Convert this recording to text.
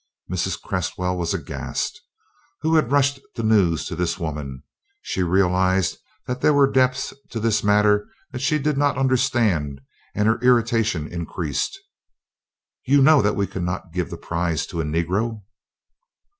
Mrs. Cresswell was aghast. Who had rushed the news to this woman? She realized that there were depths to this matter that she did not understand and her irritation increased. "You know that we could not give the prize to a Negro."